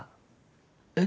えっ？